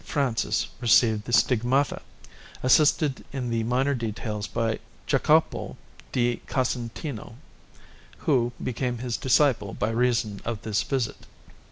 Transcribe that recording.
Francis received the Stigmata, assisted in the minor details by Jacopo di Casentino, who became his disciple by reason of this visit.